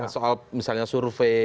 soal misalnya survei